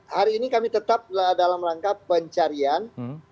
hari ini kami tetap dalam rangka pencarian